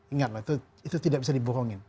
ingatlah itu tidak bisa dibohongin